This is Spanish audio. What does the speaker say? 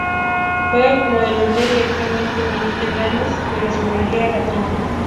Juega como delantero y actualmente milita en Lanús de la Superliga Argentina.